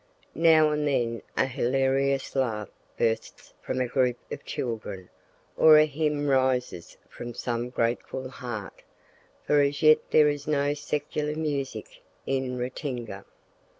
Now and then a hilarious laugh bursts from a group of children, or a hymn rises from some grateful heart, for as yet there is no secular music in Ratinga!